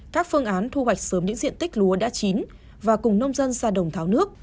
các phương án thu hoạch sớm những diện tích lúa đã chín và cùng nông dân ra đồng tháo nước